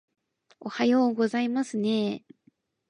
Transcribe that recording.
おはようございますねー